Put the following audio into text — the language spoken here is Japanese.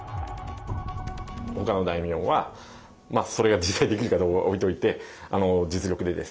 ほかの大名はそれが実際できるかどうかは置いといて実力でですね